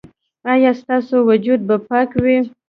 ایا ستاسو وجود به پاک وي؟